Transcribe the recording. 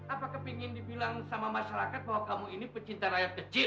apakah ingin dibilang sama masyarakat bahwa kamu ini pecinta rakyat kecil